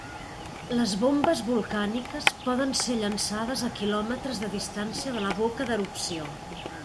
Les bombes volcàniques poden ser llançades a quilòmetres de distància de la boca d'erupció.